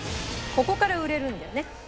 ここから売れるんだよね。